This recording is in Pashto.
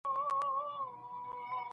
خلک دا هر څه ننداره کوي خو حل نه شته.